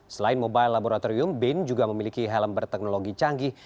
selain mobile laboratorium bin juga memiliki helm berteknologi canggih